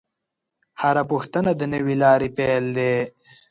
هره پوښتنه د نوې لارې پیل دی.